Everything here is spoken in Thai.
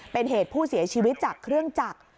เป็นเหตุผู้เสียชีวิตจากเครื่องจักร